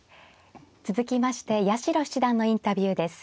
続きまして八代七段のインタビューです。